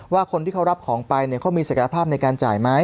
ว่าคนที่เขารับของไปเนี่ยเขามีศักยภาพในการจ่ายไหม